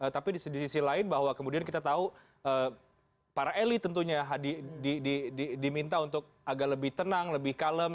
tapi di sisi lain bahwa kemudian kita tahu para elit tentunya diminta untuk agak lebih tenang lebih kalem